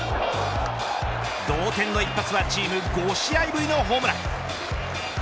同点の一発はチーム５試合ぶりのホームラン。